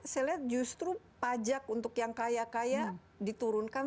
saya lihat justru pajak untuk yang kaya kaya diturunkan